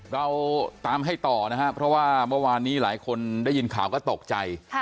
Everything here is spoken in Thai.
เราตามให้ต่อนะครับเพราะว่าเมื่อวานนี้หลายคนได้ยินข่าวก็ตกใจ